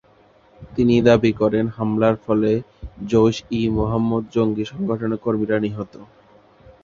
তিনি দাবি করেন, হামলার ফলে জইশ-ই-মুহাম্মদ জঙ্গি সংগঠনের কর্মীরা নিহত।